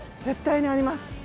絶対にあります！